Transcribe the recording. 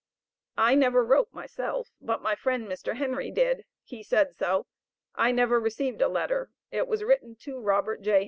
I never wrote myself, but my friend, Mr. Henry did; he said so; I never received a letter; it was written to Robert J.